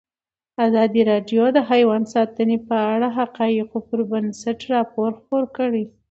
ازادي راډیو د حیوان ساتنه په اړه د حقایقو پر بنسټ راپور خپور کړی.